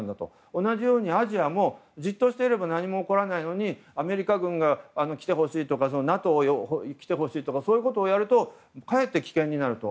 同じようにアジアもじっとしていれば何も起こらないのにアメリカ軍が来てほしいとかＮＡＴＯが来てほしいとかやるとかえって危険になると。